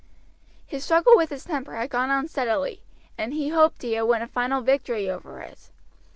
His struggle with his temper had gone on steadily, and he hoped he had won a final victory over it.